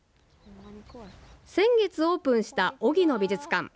先月オープンしたおぎの美術館。